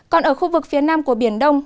còn ở khu vực phía nam của biển đông